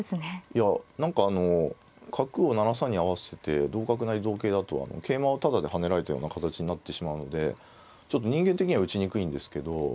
いや何かあの角を７三に合わせて同角成同桂だと桂馬をタダで跳ねられたような形になってしまうのでちょっと人間的には打ちにくいんですけど。